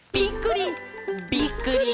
「びっくり！